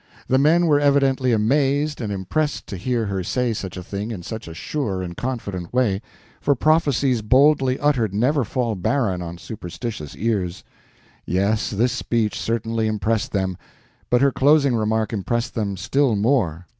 The men were evidently amazed and impressed to hear her say such a thing in such a sure and confident way, for prophecies boldly uttered never fall barren on superstitious ears. Yes, this speech certainly impressed them, but her closing remark impressed them still more.